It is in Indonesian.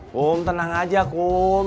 kum tenang aja kum